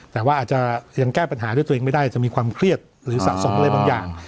แต่ว่าอาจจะยังแก้ปัญหาด้วยตัวเองไม่ได้จะมีความเครียดหรือสะสมอะไรบางอย่าง